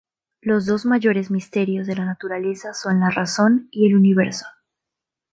Los dos mayores misterios de la naturaleza son la Razón y el Universo.